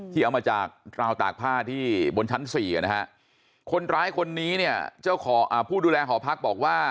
เอามาจากราวตากผ้าที่บนชั้น๔นะฮะคนร้ายคนนี้เนี่ยเจ้าของผู้ดูแลหอพักบอกว่า